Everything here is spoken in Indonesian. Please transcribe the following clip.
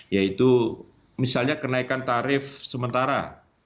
yaitu misalnya kenaikan tarif sementara